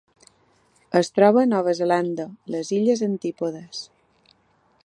Es troba a Nova Zelanda: les illes Antípodes.